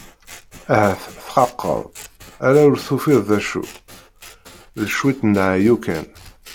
Ahat txaqeḍ? Ala ur tufiḍ d acu, d cwiṭ n ɛeyyu kan.